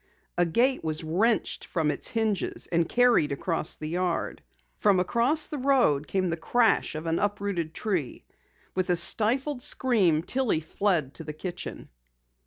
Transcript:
A gate was wrenched from its hinges and carried across the yard. From across the road came the crash of an uprooted tree. With a stifled scream Tillie fled to the kitchen.